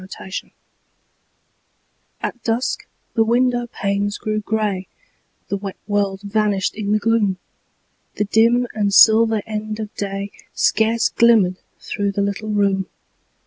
FORGIVENESS At dusk the window panes grew grey; The wet world vanished in the gloom; The dim and silver end of day Scarce glimmered through the little room.